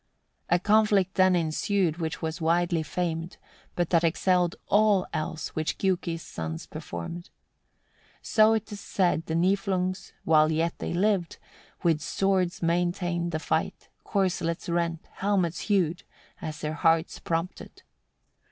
49. A conflict then ensued, which was widely famed, but that excelled all else which Giuki's sons performed. So 'tis said the Niflungs, while yet they lived, with swords maintained the fight, corslets rent, helmets hewed, as their hearts prompted.